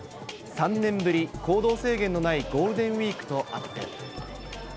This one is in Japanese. ３年ぶり、行動制限のないゴールデンウィークとあって。